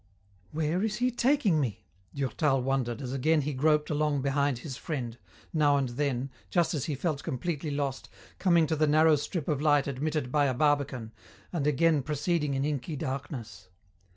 "Where is he taking me?" Durtal wondered as again he groped along behind his friend, now and then, just as he felt completely lost, coming to the narrow strip of light admitted by a barbican, and again proceeding in inky darkness.